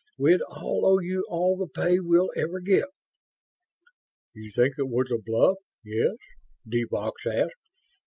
"We'd all owe you all the pay we'll ever get!" "You think it was the bluff, yes?" de Vaux asked.